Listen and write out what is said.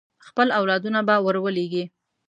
خپل اولادونه به ور ولېږي.